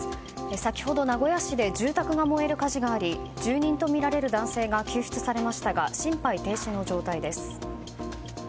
先ほど名古屋市で住宅が燃える火事があり住人とみられる男性が救出されましたが心肺停止の状態です。